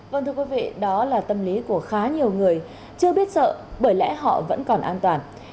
vâng thưa quý vị đó là tâm lý của khá nhiều người chưa biết sợ bởi lẽ họ vẫn còn an toàn